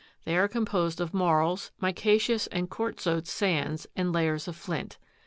They are composed of marls, mica'ceous and quartzose sands, and layers of flint.